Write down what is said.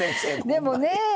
でもねえ